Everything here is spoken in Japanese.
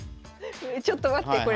ちょっと待ってこれ。